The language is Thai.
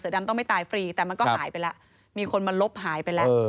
ดำต้องไม่ตายฟรีแต่มันก็หายไปแล้วมีคนมาลบหายไปแล้ว